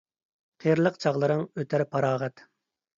قېرىلىق چاغلىرىڭ ئۆتەر پاراغەت